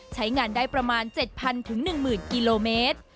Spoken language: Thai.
ใช้งานได้ประมาณ๗๐๐๑๐๐กิโลเมตร